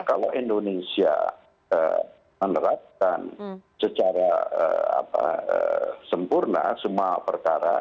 kalau indonesia menerapkan secara sempurna semua perkara